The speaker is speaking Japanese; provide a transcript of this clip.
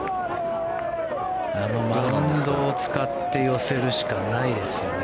マウンドを使って寄せるしかないですよね。